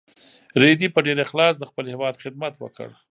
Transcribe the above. رېدي په ډېر اخلاص د خپل هېواد خدمت وکړ.